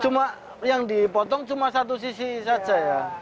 cuma yang dipotong cuma satu sisi saja ya